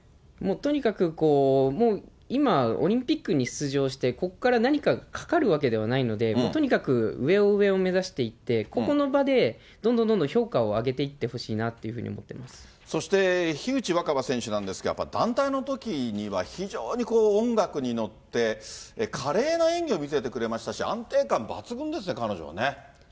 もうとにかく今、オリンピックに出場して、ここから何かかかるわけではないので、とにかく上を上を目指していって、ここの場でどんどんどんどん評価を上げていってほしいなというふそして、樋口新葉選手なんですが、やっぱ団体のときには、非常に音楽に乗って、華麗な演技を見せてくれましたし、安定感抜群ですね、彼女はね。